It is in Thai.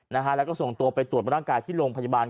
นะฮะแล้วก็ส่งตัวไปตรวจร่างกายที่โรงพยาบาล